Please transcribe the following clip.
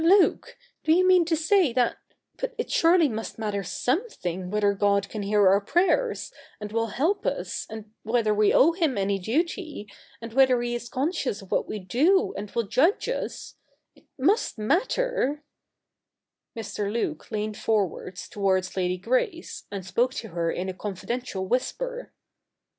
Luke, do you mean to say that — but it surely must matter some thing whether God can hear our prayers, and will help us, and whether we owe Him any duty, and whether He is conscious of what Ave do, and will judge us — it must matter ' Mr. Luke leaned forwards towards Lady Grace, and spoke to her in a confidential whisper.